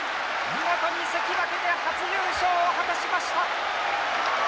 見事に関脇で初優勝を果たしました。